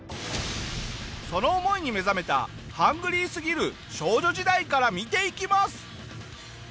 その思いに目覚めたハングリーすぎる少女時代から見ていきます。